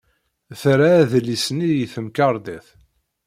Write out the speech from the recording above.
Terra adlis-nni i temkarḍit.